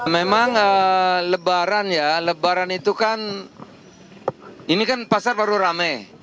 memang lebaran ya lebaran itu kan ini kan pasar baru rame